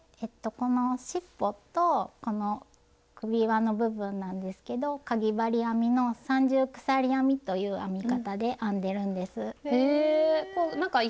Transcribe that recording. このしっぽとこの首輪の部分なんですけどかぎ針編みの「三重鎖編み」という編み方で編んでるんです。